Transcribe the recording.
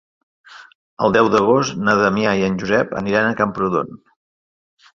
El deu d'agost na Damià i en Josep aniran a Camprodon.